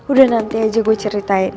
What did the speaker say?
udah nanti aja gue ceritain